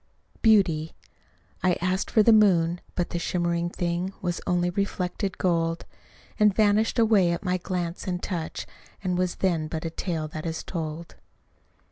Beauty I asked for the moon but the shimmering thing Was only reflected gold, And vanished away at my glance and touch, And was then but a tale that is told.